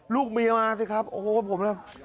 ลูกเมียมาสิครับโอ้โหผมน่ะ